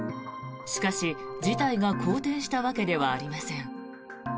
しかし、事態が好転したわけではありません。